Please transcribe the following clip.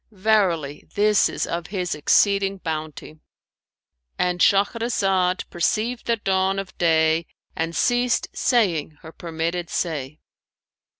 Verily this is of His exceeding bounty!'"[FN#550]—And Shahrazad perceived the dawn of day and ceased saying her permitted say.